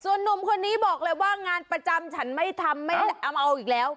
หนุ่มคนนี้บอกเลยว่างานประจำฉันไม่ทำไม่เอาเอาอีกแล้ว